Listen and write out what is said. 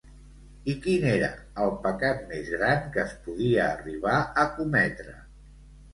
I quin era el pecat més gran que es podia arribar a cometre?